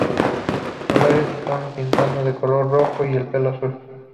Los labios están pintados de color rojo y el pelo azul.